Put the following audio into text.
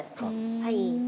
はい。